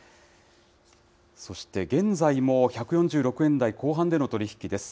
そして現在も１４６円台後半での取り引きです。